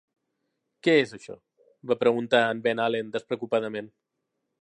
"Què és, això?" va preguntar en Ben Allen despreocupadament.